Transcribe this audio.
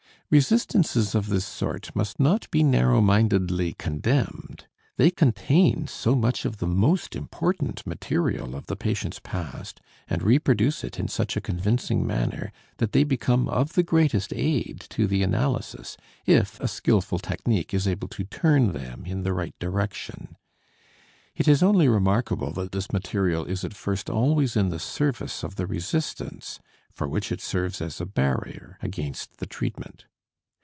Resistances of this sort must not be narrow mindedly condemned. They contain so much of the most important material of the patient's past and reproduce it in such a convincing manner, that they become of the greatest aid to the analysis, if a skillful technique is able to turn them in the right direction. It is only remarkable that this material is at first always in the service of the resistance, for which it serves as a barrier against the treatment.